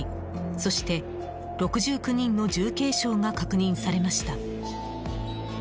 そして、６９人の重軽傷が確認されました。